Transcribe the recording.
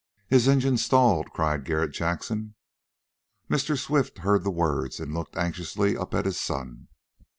"His engine's stalled!" cried Garret Jackson. Mr. Swift heard the words, and looked anxiously up at his son.